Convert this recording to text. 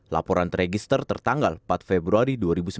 laporan teregister tertanggal empat februari dua ribu sembilan belas